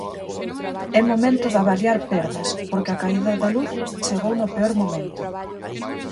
É momento de avaliar perdas, porque a caída da luz chegou no peor momento.